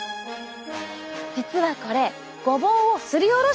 実はこれごぼうをすりおろしたものなんです。